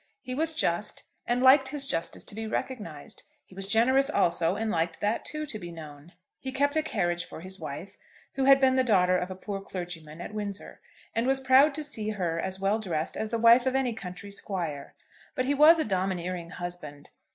He was just, and liked his justice to be recognised. He was generous also, and liked that, too, to be known. He kept a carriage for his wife, who had been the daughter of a poor clergyman at Windsor, and was proud to see her as well dressed as the wife of any county squire. But he was a domineering husband.